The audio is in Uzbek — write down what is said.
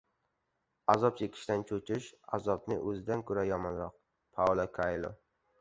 Azob chekishdan cho‘chish, azobning o‘zidan ko‘ra yomonroq. Paulo Koelo